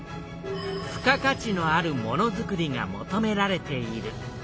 付加価値のあるものづくりが求められている。